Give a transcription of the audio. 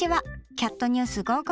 「キャットニュース５５」